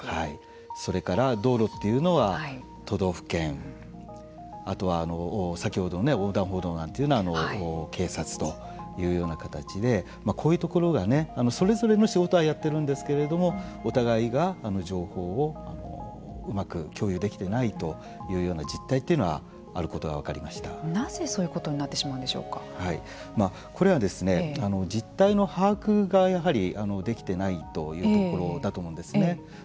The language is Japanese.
それから道路というのは都道府県あとは先ほど横断歩道なんてのは警察というような形でこういうところがそれぞれの仕事はやっているんですけれどもお互いが情報をうまく共有できていないというような実態というのはなぜそういうことにこれは、実態の把握がやはりできていないというところだと思うんですね。